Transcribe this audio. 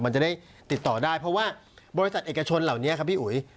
มันจะได้ติดต่อได้เพราะว่าบริษัทเอกชนเหล่านี้ครับพี่อุ๋ย